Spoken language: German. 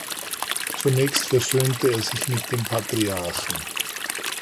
Zunächst versöhnte er sich mit dem Patriarchen.